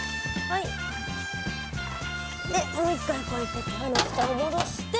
でもう一回こうやって缶の蓋を戻して。